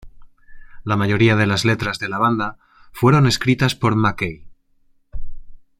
La mayoría de las letras de la banda fueron escritas por MacKaye.